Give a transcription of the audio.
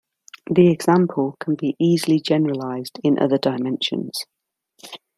The example can be easily generalized in other dimensions.